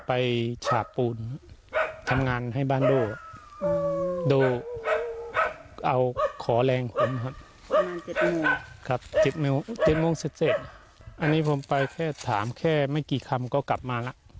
อันนี้ผมไปแค่ถามแค่ไม่กี่คำก็กลับมาแล้ว